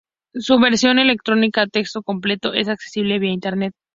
Su versión electrónica a texto completo es accesible vía internet.